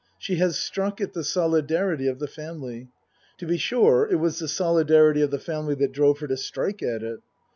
She has struck at the solidarity of the family. To be sure, it was the solidarity of the family that drove her to strike at it.